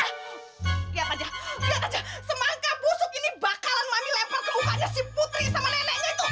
lihat aja lihat aja semangka busuk ini bakalan mami lempar ke bukanya si putri sama neneknya itu